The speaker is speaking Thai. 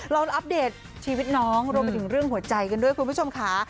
เราอัปเดตชีวิตน้องรวมไปถึงเรื่องหัวใจกันด้วยคุณผู้ชมค่ะ